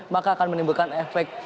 maka akan menimbulkan efek